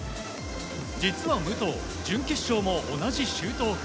実は武藤、準決勝も同じシュートオフ。